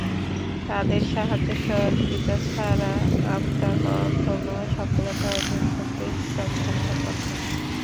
তাদের সাহায্য-সহযোগিতা ছাড়া আমরা কখনো সফলতা অর্জন করতে সক্ষম হতাম না।